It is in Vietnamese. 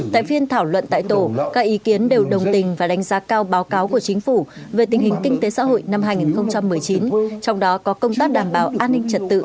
tại phiên thảo luận tại tổ các ý kiến đều đồng tình và đánh giá cao báo cáo của chính phủ về tình hình kinh tế xã hội năm hai nghìn một mươi chín trong đó có công tác đảm bảo an ninh trật tự